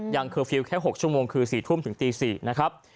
เคอร์ฟิลล์แค่๖ชั่วโมงคือ๔ทุ่มถึงตี๔นะครับ